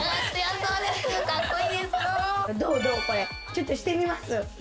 ちょっとしてみます？